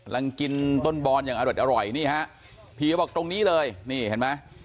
ยังกินต้นบอนอย่างอร่อยนี่ฮะผีก็บอกตรงนี้เลยนี่เห็นไหม